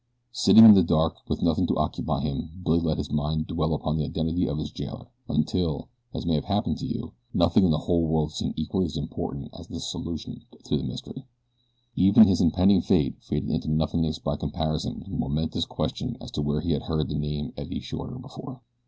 Sitting in the dark with nothing to occupy him Billy let his mind dwell upon the identity of his jailer, until, as may have happened to you, nothing in the whole world seemed equally as important as the solution of the mystery. Even his impending fate faded into nothingness by comparison with the momentous question as to where he had heard the name Eddie Shorter before.